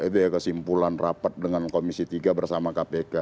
itu ya kesimpulan rapat dengan komisi tiga bersama kpk